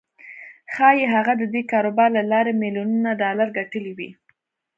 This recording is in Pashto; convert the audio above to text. ښايي هغه د دې کاروبار له لارې ميليونونه ډالر ګټلي وي.